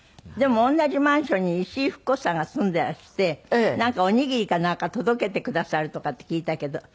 でも同じマンションに石井ふく子さんが住んでらしてなんかおにぎりかなんか届けてくださるとかって聞いたけど。